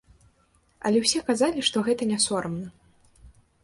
Але ўсе казалі, што гэта не сорамна.